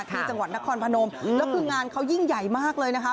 ที่จังหวัดนครพนมแล้วคืองานเขายิ่งใหญ่มากเลยนะคะ